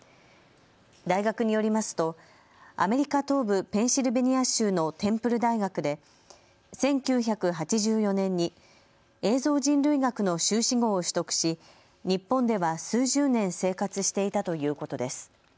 大学によりますとアメリカ東部ペンシルベニア州のテンプル大学で１９８４年に映像人類学の修士号を取得し、日本では数十年生活していたということです。